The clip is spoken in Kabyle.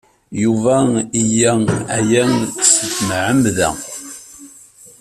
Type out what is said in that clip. Yuba iga aya s tmeɛmada.